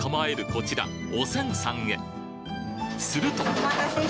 こちらおせんさんへすると！